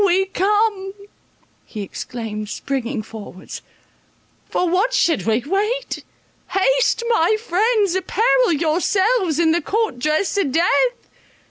We come," he exclaimed, springing forwards, "for what should we wait? Haste, my friends, apparel yourselves in the court dress of death.